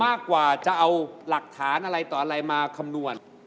มากกว่าจะเอาหลักฐานอะไรต่ออะไรมาคำนวณ